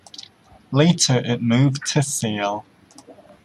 Later it moved to Sale.